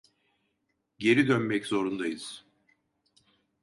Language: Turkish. Geri dönmek zorundayız.